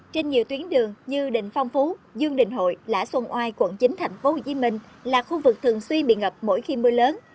trên nhiều tuyến đường như định phong phú dương đình hội lã xuân oai quận chín tp hcm là khu vực thường xuyên bị ngập mỗi khi mưa lớn